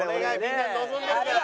みんな望んでるから。